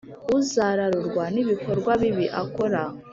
uzararurwa n’ibikorwa bibi akora